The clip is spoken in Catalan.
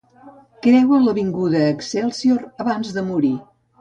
Creua l'avinguda Excelsior abans de morir.